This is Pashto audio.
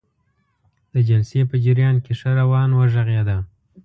د جلسې په جریان کې ښه روان وغږیده.